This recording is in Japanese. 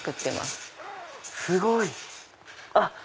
すごい！あっ！